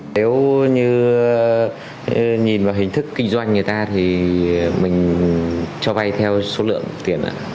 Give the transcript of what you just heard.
nếu như nhìn vào hình thức kinh doanh người ta thì mình cho vay theo số lượng tiền ạ